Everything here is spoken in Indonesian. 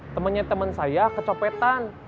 temennya temen saya kecopetan